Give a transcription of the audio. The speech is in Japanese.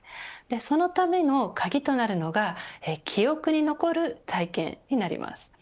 そのための鍵となるのが記憶に残る体験になります。